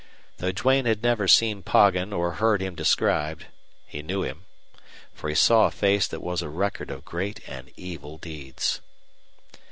Though Duane had never seen Poggin or heard him described, he knew him. For he saw a face that was a record of great and evil deeds.